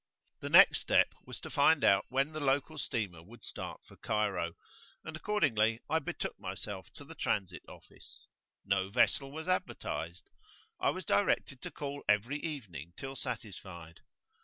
[p.27]The next step was to find out when the local steamer would start for Cairo, and accordingly I betook myself to the Transit Office. No vessel was advertised; I was directed to call every evening till satisfied.